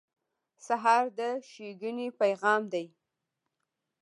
سهار د ښېګڼې پیغام دی.